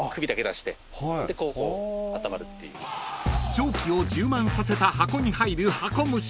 ［蒸気を充満させた箱に入る箱蒸し］